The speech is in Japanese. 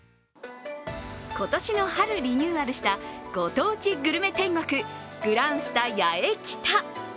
今年の春リニューアルしたご当地グルメ天国グランスタ八重北。